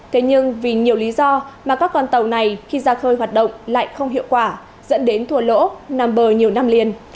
thế nhưng vì nhiều lý do mà các con tàu này khi ra khơi hoạt động lại không hiệu quả dẫn đến thua lỗ nằm bờ nhiều năm liền